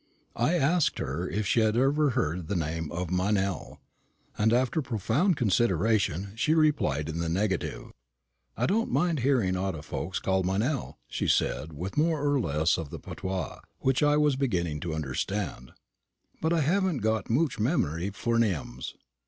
I asked her if she had ever heard the name of Meynell; and after profound consideration she replied in the negative. "I don't mind hearing aught of folks called Meynell," she said with more or less of the patois, which I was beginning to understand; "but I haven't got mooch memory for nee ams.